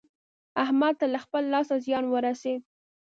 احمد ته له خپله لاسه زيان ورسېد.